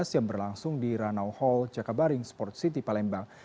yang berlangsung di ranau hall jakabaring sport city palembang